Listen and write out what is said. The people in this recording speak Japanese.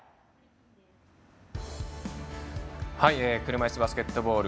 車いすバスケットボール。